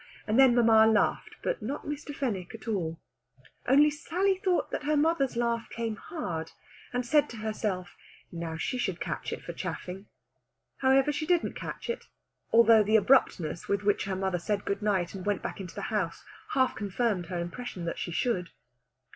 And then mamma laughed, but not Mr. Fenwick at all. Only Sally thought her mother's laugh came hard, and said to herself, now she should catch it for chaffing! However, she didn't catch it, although the abruptness with which her mother said good night and went back into the house half confirmed her impression that she should.